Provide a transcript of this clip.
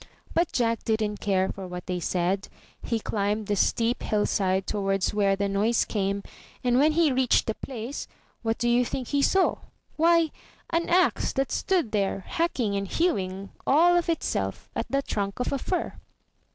But Jack didn't care for what they said; he climbed the steep hill side towards where the noise came, and when he reached the place, what do you think he saw? Why, an axe that stood there hacking and hewing, all of itself, at the trunk of a fir.